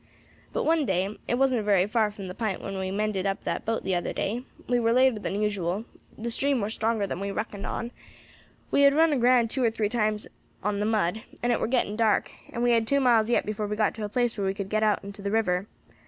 But one day it wasn't very far from the pint where we mended up that boat the other day we war later than usual; the stream war stronger than we reckoned on, we had run aground two or three times on the mud, and it war getting dark, and we had two miles yet before we got to a place where we could get out into the river.